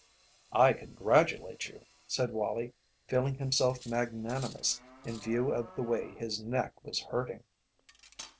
"I congratulate you," said Wallie, feeling himself magnanimous in view of the way his neck was hurting.